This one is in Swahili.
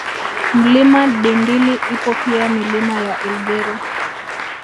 Mlima Dindili ipo pia Milima ya Elgeri